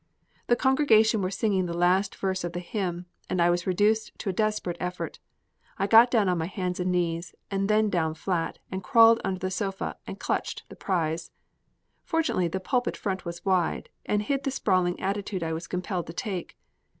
The congregation were singing the last verse of the hymn, and I was reduced to a desperate effort. I got down on my hands and knees, and then down flat, and crawled under the sofa and clutched the prize. Fortunately, the pulpit front was wide, and hid the sprawling attitude I was compelled to take.